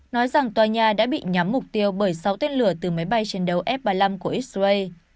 nói rằng tòa nhà đã bị nhắm mục tiêu bởi sáu tên lửa từ máy bay chiến đấu f ba mươi năm của israel